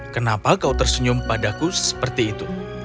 kenapa kau tersenyum padaku seperti itu